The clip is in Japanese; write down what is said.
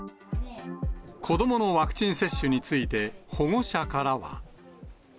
子どものワクチン接種について、保護者からは。